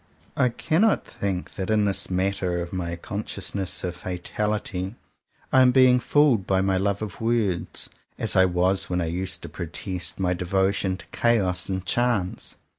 I cannot think that, in this matter of my consciousness of Fatality, I am being 148 JOHN COWPER POWYS fooled by my love of words, as I was when I used to protest my devotion to Chaos and Chance.